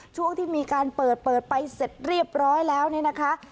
ช่วงที่มีการเปิดเปิดไปเสร็จเรียบร้อยแล้วเนี่ยนะคะ